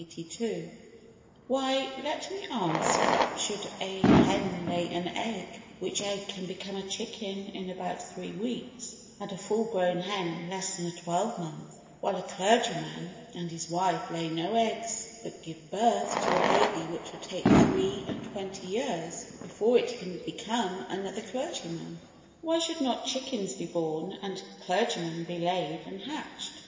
] WHY, let me ask, should a hen lay an egg which egg can become a chicken in about three weeks and a full grown hen in less than a twelvemonth, while a clergyman and his wife lay no eggs but give birth to a baby which will take three and twenty years before it can become another clergyman? Why should not chickens be born and clergymen be laid and hatched?